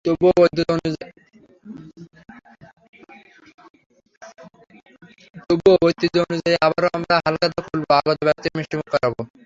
তবুও ঐতিহ্য অনুযায়ী এবারও আমরা হালখাতা খুলব, আগত ব্যক্তিদের মিষ্টিমুখ করাব।